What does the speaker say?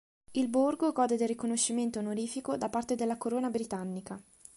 Il borgo gode del riconoscimento onorifico da parte della Corona britannica.